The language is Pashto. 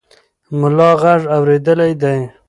ملا غږ اورېدلی دی.